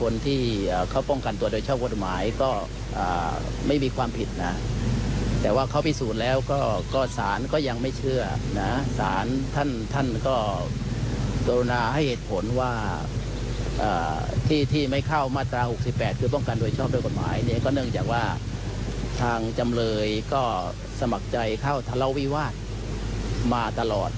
เนี่ยก็เนื่องจากว่าทางจำเลยก็สมัครใจเข้าทะเลาะวิวาดมาตลอด